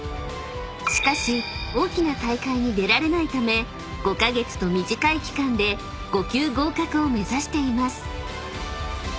［しかし大きな大会に出られないため５カ月と短い期間で５級合格を目指しています］